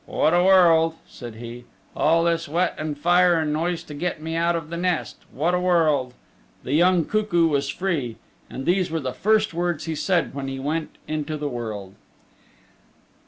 "What a world," said he. "All this wet and fire and noise to get me out of the nest. What a world!" The young cuckoo was free, and these were the first words he said when he went into the world.